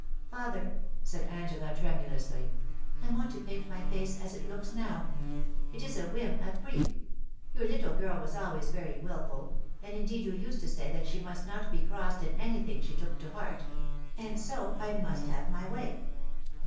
Father,' said Angela, tremulously, * I want to paint my face as it looks now. It is a whim, a freak. Your little girl was always very wilful, and indeed you used to say that she must not be crossed in anything she took to heart — ^and so I must have my way.